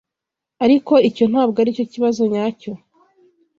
Ariko icyo ntabwo aricyo kibazo nyacyo.